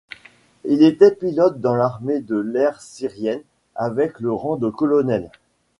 Il était pilote dans l'Armée de l'Air syrienne avec le rang de colonel.